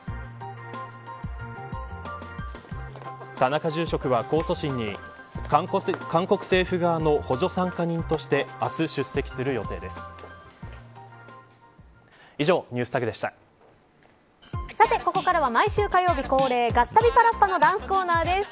田中住職は控訴審に韓国政府側の補助参加人として明日、出席する予定です。